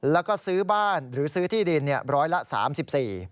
แล้วก็ซื้อบ้านหรือซื้อที่ดิน๑๓๔แบบ